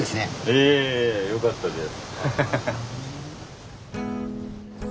いえいえいえよかったです。